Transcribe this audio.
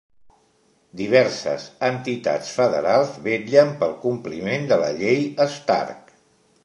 Diverses entitats federals vetllen pel compliment de la llei Stark.